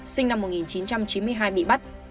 sinh năm một nghìn chín trăm chín mươi hai bị bắt